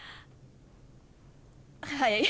はい。